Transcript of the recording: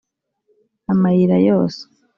amayira yose